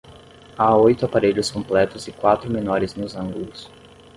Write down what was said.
Há oito aparelhos completos e quatro menores nos ângulos.